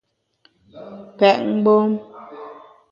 Pèt mgbom !